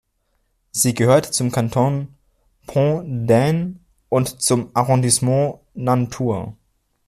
Sie gehört zum Kanton Pont-d’Ain und zum Arrondissement Nantua.